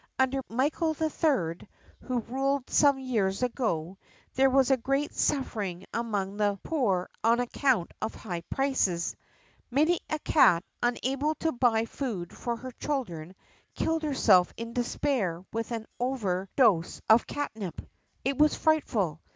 . Under Michael III, who ruled some years ago, there was great suffering among the poor on account of high prices. Many a cat, unable to buy food for her children, killed herself in despair with an over dose of catnip. It was frightful.